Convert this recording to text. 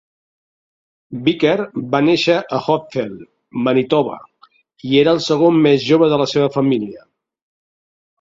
Bickert va néixer a Hochfeld, Manitoba, i era el segon més jove de la seva família.